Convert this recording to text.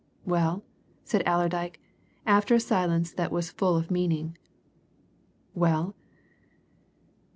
"Well?" said Allerdyke, after a silence that was full of meaning "well?"